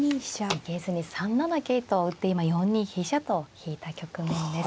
逃げずに３七桂と打って今４二飛車と引いた局面です。